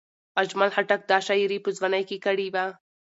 اجمل خټک دا شاعري په ځوانۍ کې کړې وه.